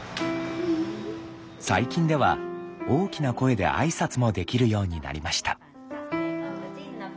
最近では大きな声で挨拶もできるようになりました。